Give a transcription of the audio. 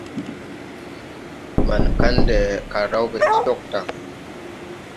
Maŋ Kandɛ kal rawge ti dogta.